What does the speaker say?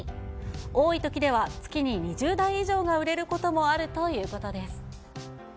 多いときでは、月に２０台以上が売れることもあるということです。